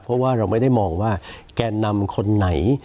เพราะว่าเราไม่ได้มองว่าแกนนำคนไหน